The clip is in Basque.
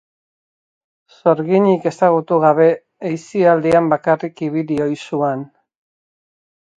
Sorginik ezagutu gabe, ehizaldian bakarrik ibili ohi zuan.